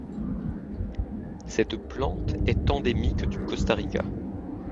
Cette plante est endémique du Costa Rica.